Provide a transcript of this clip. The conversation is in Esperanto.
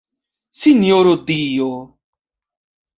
Sinjoro dio!